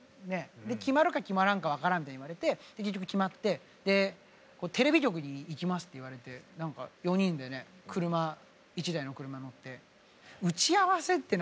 決まるか決まらんか分からんって言われて結局決まって「テレビ局に行きます」って言われて４人でね１台の車に乗って「打ち合わせって何だ？」